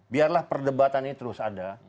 biarlah perdebatan ini terus ada